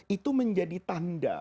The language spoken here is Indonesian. itu menjadi tanda